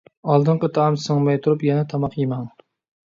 ئالدىنقى تائام سىڭمەي تۇرۇپ يەنە تاماق يېمەڭ.